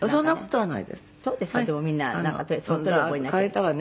はい。